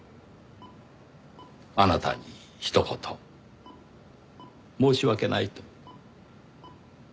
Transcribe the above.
あなたに一言申し訳ないと。